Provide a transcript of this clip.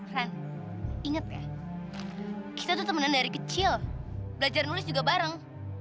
ingat ya kita tuh temenan dari kecil belajar nulis juga bareng